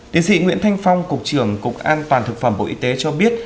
tiến sĩ nguyễn thanh phong cục trưởng cục an toàn thực phẩm bộ y tế cho biết